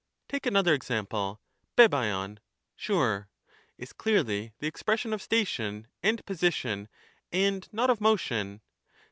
Take another example : (ihfiaiov (sure) is clearly the expression of station and position, and not of motion.